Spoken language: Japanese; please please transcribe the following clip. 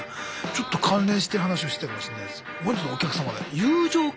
ちょっと関連してる話をしてたかもしれないです。